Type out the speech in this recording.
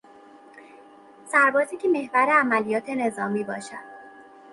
سربازی که محور عملیات نظامی باشد